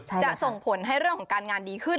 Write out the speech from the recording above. จะส่งผลให้เรื่องของการงานดีขึ้น